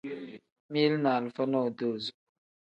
Mili ni alifa nodozo.